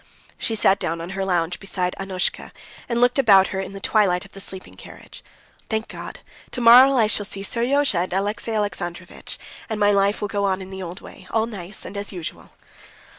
She sat down on her lounge beside Annushka, and looked about her in the twilight of the sleeping carriage. "Thank God! tomorrow I shall see Seryozha and Alexey Alexandrovitch, and my life will go on in the old way, all nice and as usual."